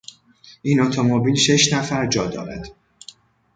این اتومبیل شش نفر جا دارد.